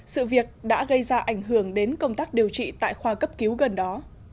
sự việc đã gây ra ảnh hưởng đến công tác điều trị tại khoa cấp cứu gần đó